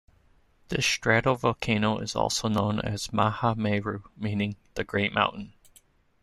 This stratovolcano is also known as Mahameru, meaning 'The Great Mountain.